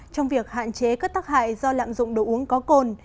trong việc hạn chế các tác hại do lạm dụng đồ uống có cồn